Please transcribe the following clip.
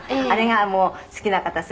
「あれが好きな方